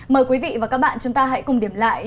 mời quý vị và các bạn chúng ta hãy cùng điểm lại